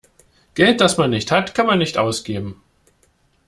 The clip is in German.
Geld, das man nicht hat, kann man nicht ausgeben.